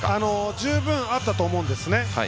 十分あったと思うんですね。